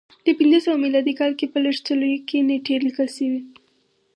د پنځه سوه میلادي کال کې په لږو څلیو کې نېټې لیکل شوې